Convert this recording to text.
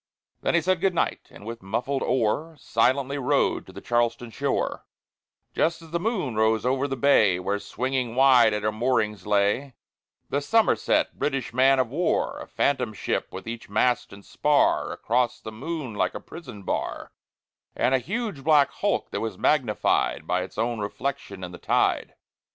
Then he said, "Good night!" and with muffled oar Silently rowed to the Charlestown shore, Just as the moon rose over the bay, Where swinging wide at her moorings lay The Somerset, British man of war; A phantom ship, with each mast and spar Across the moon like a prison bar, And a huge black hulk, that was magnified By its own reflection in the tide.